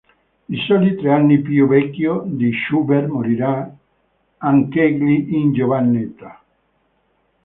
Di soli tre anni più vecchio di Schubert, morirà anch'egli in giovane età.